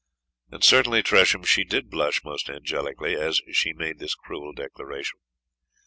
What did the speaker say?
And certainly, Tresham, she did blush most angelically, as she made this cruel declaration.